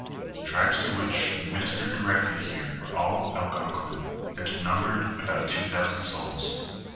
The tribes to which he ministered directly here were all Algonquin, and numbered about two thousand souls.